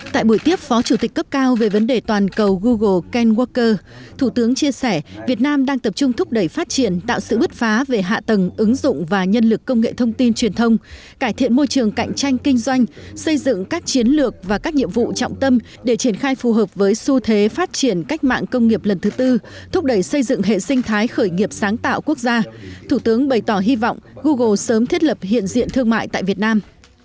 tại buổi tiếp phó chủ tịch cấp cao về vấn đề toàn cầu google ken walker thủ tướng chia sẻ việt nam đang tập trung thúc đẩy phát triển tạo sự bứt phá về hạ tầng ứng dụng và nhân lực công nghệ thông tin truyền thông cải thiện môi trường cạnh tranh kinh doanh xây dựng các chiến lược và các nhiệm vụ trọng tâm để triển khai phù hợp với xu thế phát triển cách mạng công nghiệp lần thứ tư thúc đẩy xây dựng hệ sinh thái khởi nghiệp sáng tạo quốc gia thủ tướng bày tỏ hy vọng google sớm thiết lập hiện diện thương mại tại việt nam